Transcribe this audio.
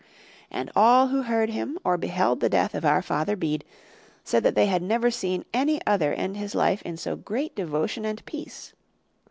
And all who heard him or beheld the death of our father Bede, said that they had never seen any other end his life in so great devotion and peace.